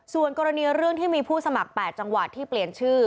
ส่วนกรณีเรื่องที่มีผู้สมัคร๘จังหวัดที่เปลี่ยนชื่อ